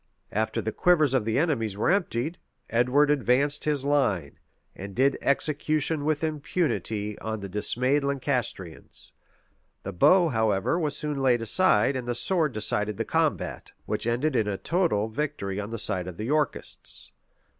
[*] After the quivers of the enemy were emptied, Edward advanced his line, and did execution with impunity on the dismayed Lancastrians: the bow, however, was soon laid aside, and the sword decided the combat, which ended in a total victory on the side of the Yorkists.